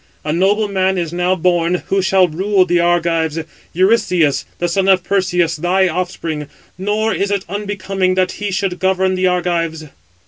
A noble man is now born, who shall rule the Argives, Eurystheus, the son of Perseus, thy offspring; nor is it unbecoming that he should govern the Argives."